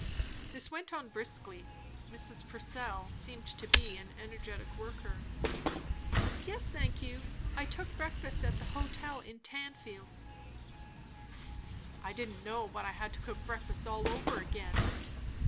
This went on briskly; Mrs. Purcell seemed to be an energetic worker. "Yes, thank you. I took breakfast at the hotel in Tanfield." "I didn't know but I had to cook breakfast all over again."